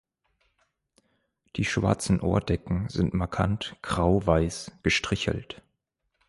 Die schwarzen Ohrdecken sind markant grau weiß gestrichelt.